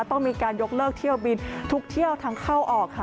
ต้องมีการยกเลิกเที่ยวบินทุกเที่ยวทั้งเข้าออกค่ะ